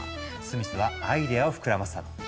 スミスはアイデアを膨らませたの。